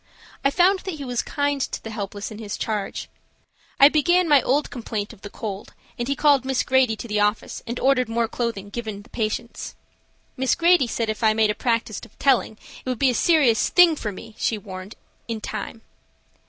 I found that he was kind to the helpless in his charge. I began my old complaint of the cold, and he called Miss Grady to the office and ordered more clothing given the patients. Miss Grady said if I made a practice of telling it would be a serious thing for me, she warned me in time.